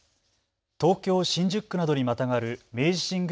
東京新宿区などにまたがる明治神宮